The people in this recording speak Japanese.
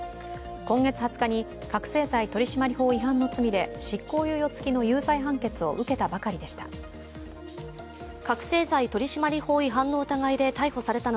今月２０日に覚醒剤取締法違反の罪で執行猶予付きの有罪判決を受けたばかりでした。